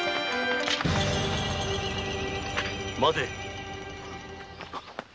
待て。